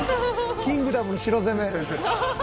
『キングダム』の城攻め。